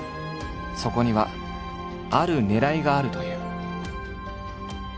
そこにはあるねらいがあるという。